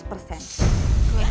oke kalau begitu bulan depan